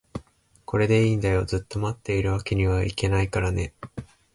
これでいいんだよ、ずっと持っているわけにはいけないからね